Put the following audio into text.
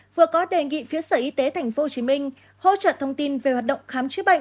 vừa có đề nghị phía sở y tế tp hcm hỗ trợ thông tin về hoạt động khám chữa bệnh